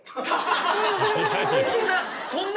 そんな？